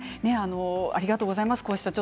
ありがとうございます。